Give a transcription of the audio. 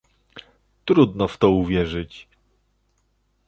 Trudno w to uwierzyć"